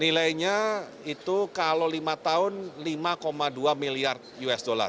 nilainya itu kalau lima tahun lima dua miliar usd